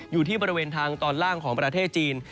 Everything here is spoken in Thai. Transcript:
อยู่ที่บริเวณทางตอนล่างของประเทศจีน